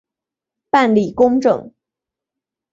办理公证